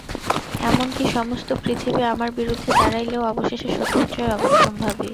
এমন কি সমস্ত পৃথিবী আমার বিরুদ্ধে দাঁড়াইলেও অবশেষে সত্যের জয় অবশ্যম্ভাবী।